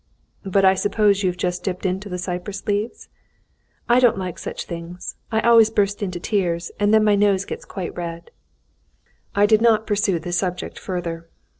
"But I suppose you've just dipped into the 'Cypress Leaves'?" "I don't like such things. I always burst into tears; and then my nose gets quite red." I did not pursue the subject further.